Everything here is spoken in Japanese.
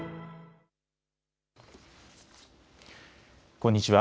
こんにちは。